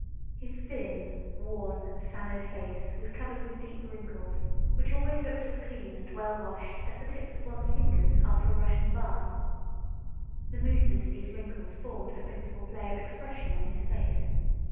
His thin, worn, sallow face was covered with deep wrinkles, which always looked as clean and well washed as the tips of one's fingers after a Russian bath. The movement of these wrinkles formed the principal play of expression on his face.